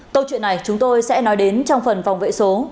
câu chuyện này chúng tôi sẽ nói đến trong phần phòng vệ số